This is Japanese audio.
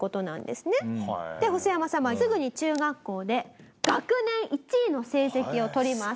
でホソヤマさんはすぐに中学校で学年１位の成績を取ります。